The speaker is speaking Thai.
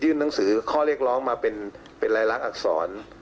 ยื่นนังสือข้อเรียกร้องมาเป็นเป็นรายละอักษร